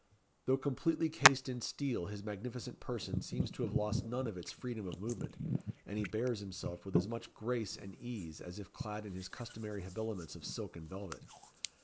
Though completely cased in steel, his magnificent person seems to have lost none of its freedom of movement, and he bears himself with as much grace and ease as if clad in his customary habiliments of silk and velvet.